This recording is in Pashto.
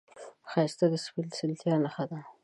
ښایست د سپېڅلتیا نښه ده